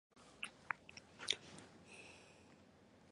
两河在须水镇大榆林村交汇。